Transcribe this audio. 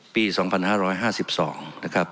ปี๒๕๕๒นะครับ